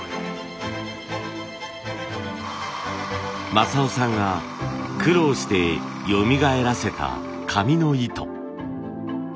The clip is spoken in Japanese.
正男さんが苦労してよみがえらせた紙の糸。